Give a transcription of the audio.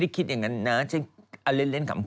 มีคนพูดเหมือนกันฉันก็ไม่ได้คิดอย่างนั้นนะฉันเล่นขำ